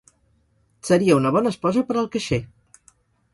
Seria una bona esposa per al caixer.